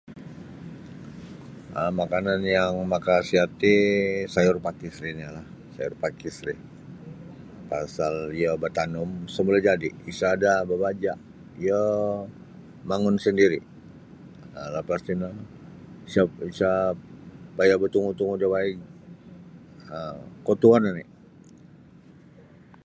um makanan yang makasiat ti sayur pakis ri niolah sayur pakis ri pasal iyo batanum semulajadi isada' babaja' iyo mangun sandiri um lapas tino isa isa payah batungu-tungu da waig um koutungon oni'.